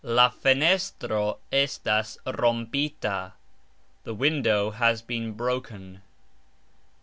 "La fenestro estas rompita", The window has been broken.